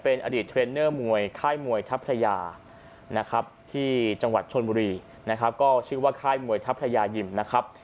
เป็นอดีตเทรนเนอร์มวยค่ายมวยทัพพระยานะครับ